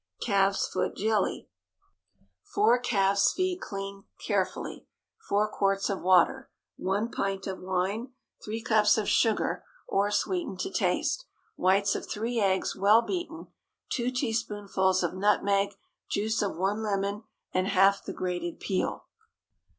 CALF'S FOOT JELLY. 4 calf's feet, cleaned carefully. 4 quarts of water. 1 pint of wine. 3 cups of sugar—or sweeten to taste. Whites of 3 eggs, well beaten. 2 teaspoonfuls of nutmeg. Juice of 1 lemon, and half the grated peel.